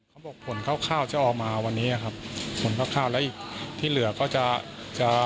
เขาบอกผลคร่าวจะออกมาวันนี้ครับผลคร่าวแล้วอีกที่เหลือก็จะจะ